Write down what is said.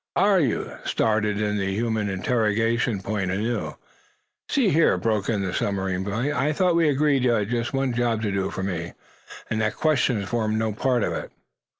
"Are you " started in the human interrogation point, anew. "See here," broke in the submarine boy, "I thought we agreed you had just one job to do for me, and that questions formed no part of it."